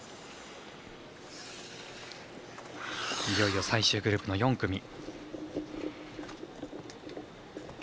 いよいよ、最終グループの４組。